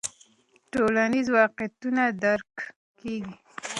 ټولنیز واقعیتونه درک کیږي.